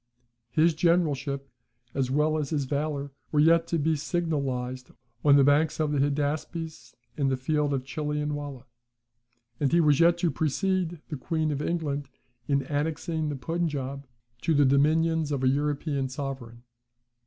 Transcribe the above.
His generalship, as well as his valour, were yet to be signalised on the banks of the Hydaspes, and the field of Chillianwallah; and he was yet to precede the Queen of England in annexing the Punjaub to the dominions of an European sovereign.